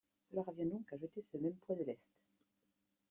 Cela revient donc à jeter ce même poids de lest.